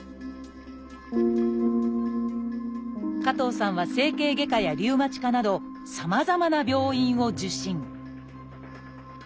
加藤さんは整形外科やリウマチ科などさまざまな病院を受診